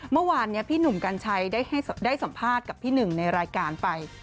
เมื่อวานนี้พี่หนุ่มกัญชัยได้สัมภาษณ์กับพี่หนึ่งในรายการไป